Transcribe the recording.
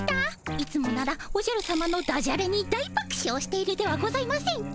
いつもならおじゃるさまのダジャレに大ばくしょうしているではございませんか。